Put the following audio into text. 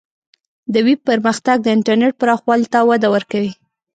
د ویب پرمختګ د انټرنیټ پراخوالی ته وده ورکوي.